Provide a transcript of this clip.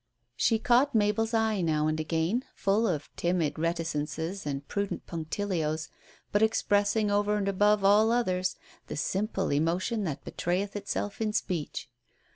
She caught Mabel's eye now and again full of timid reticences and prudent punctilios, but expressing over and above all others, the simple emotion that betrayeth itself in speech.